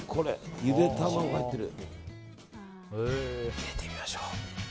入れてみましょう。